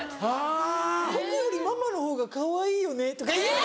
「僕よりママの方がかわいいよね」とか言う。